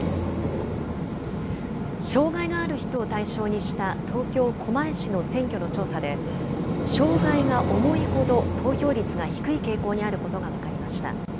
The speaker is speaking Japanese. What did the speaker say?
障害がある人を対象にした東京・狛江市の選挙の調査で、障害が重いほど、投票率が低い傾向にあることが分かりました。